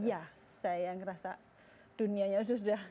iya saya ngerasa dunianya sudah